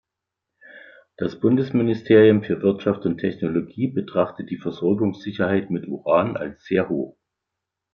Das Bundesministerium für Wirtschaft und Technologie betrachtet die Versorgungssicherheit mit Uran als sehr hoch.